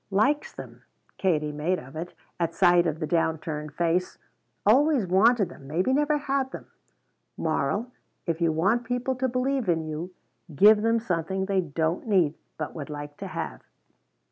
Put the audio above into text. "Likes them," Katie made of it, at sight of the down turned face; "always wanted them maybe never had them. Moral If you want people to believe in you, give them something they don't need, but would like to have."